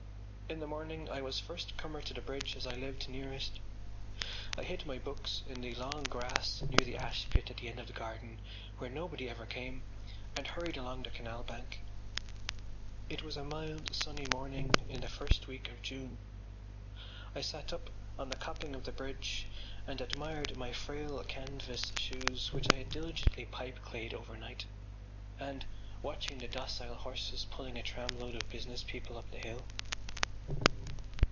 In the morning I was first comer to the bridge as I lived nearest. I hid my books in the long grass near the ashpit at the end of the garden where nobody ever came and hurried along the canal bank. It was a mild sunny morning in the first week of June. I sat up on the coping of the bridge admiring my frail canvas shoes which I had diligently pipeclayed overnight and watching the docile horses pulling a tramload of business people up the hill.